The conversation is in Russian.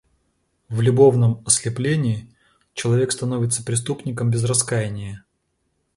В любовном ослеплении человек становится преступником без раскаяния.